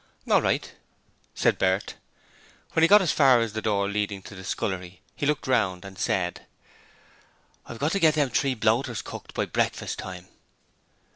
'All right,' said Bert. When he got as far as the door leading into the scullery he looked round and said: 'I've got to git them three bloaters cooked by breakfast time.'